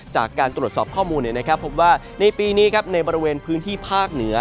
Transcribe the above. จากการตรวจสอบข้อมูลพบว่าในปีนี้ในบริเวณพื้นที่ภาคเหนือ